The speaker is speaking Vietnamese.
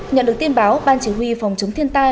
nhận được tin báo ban chỉ huy phòng chống thiên tai